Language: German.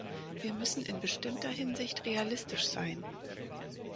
Wir müssen in bestimmter Hinsicht realistisch sein.